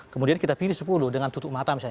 kemudian kita pilih sepuluh dengan tutup mata misalnya